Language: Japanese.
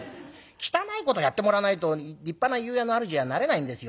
汚いことやってもらわないと立派な湯屋のあるじにはなれないんですよ」。